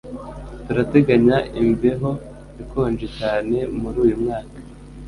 Turateganya imbeho ikonje cyane muri uyu mwaka.